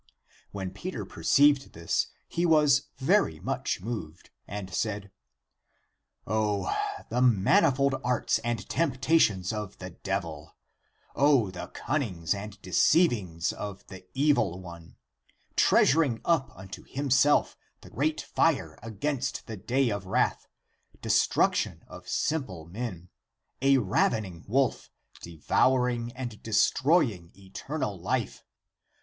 When Peter perceived this, he was very much moved, and said, " O, the manifold arts and temptations of the devil ! O, the cunnings and devices of the evil one ! Treasuring up unto himself the great fire against the day of wrath, destruction of simple men, a rav ening wolf, devouring and destroying eternal life!